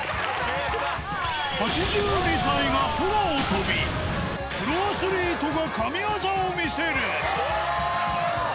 ８２歳が空を飛び、プロアスリートが神業を見せる。